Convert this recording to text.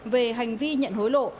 về hành vi nhận hối lộ